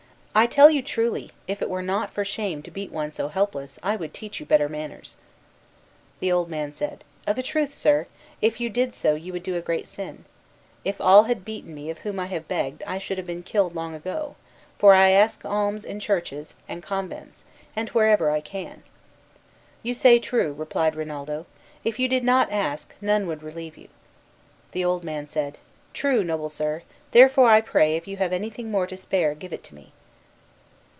I tell you truly if it were not for shame to beat one so helpless, I would teach you better manners." The old man said, "Of a truth, sir, if you did so you would do a great sin. If all had beaten me of whom I have begged I should have been killed long ago, for I ask alms in churches and convents, and wherever I can." "You say true," replied Rinaldo, "if you did not ask, none would relieve you." The old man said, "True, noble sir, therefore I pray if you have anything more to spare, give it me."